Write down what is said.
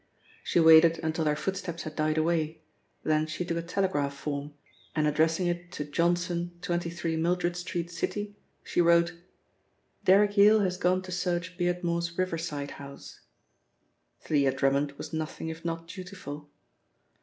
She waited until their footsteps had died away, then she took a telegraph form, and addressing it to Johnson, 23, Mildred Street, City, she wrote: 'Derrick Yale has gone to search Beardmore's riverside house.' Thalia Drummond was nothing if not dutiful.